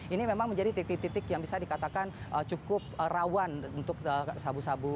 ini memang menjadi titik titik yang bisa dikatakan cukup rawan untuk sabu sabu